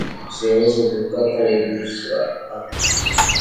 Usioweza kuukata ubusu ati